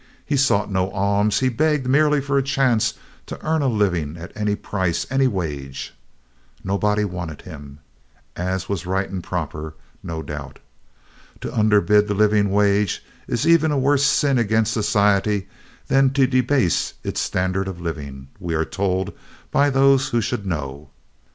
He sought no alms; he begged merely for a chance to earn a living at any price, any wages. Nobody wanted him, as was right and proper, no doubt. To underbid the living wage is even a worse sin against society than to "debase its standard of living," we are told by those who should know.